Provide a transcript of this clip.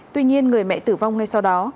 tuy nhiên người mẹ tử vong ngay sau đó